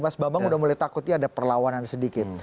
mas bambang udah mulai takutnya ada perlawanan sedikit